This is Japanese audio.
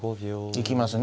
行きますね